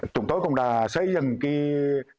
chúng tôi cũng đã xây dựng kế hoạch